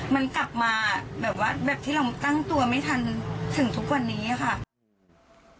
มันกลับมาแบบว่าแบบที่เราตั้งตัวไม่ทันถึงทุกวันนี้ค่ะ